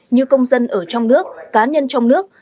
như công dân ở trong nước cá nhân trong nước